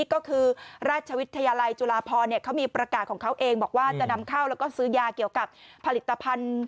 ก็คือราชวิทยาลัยจุฬาพรเขามีประกาศของเขาเองบอกว่าจะนำเข้าแล้วก็ซื้อยาเกี่ยวกับผลิตภัณฑ์